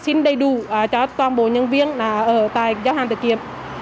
thực hiện thẻ